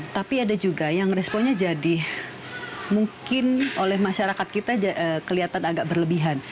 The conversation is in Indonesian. tapi ada juga yang responnya jadi mungkin oleh masyarakat kita kelihatan agak berlebihan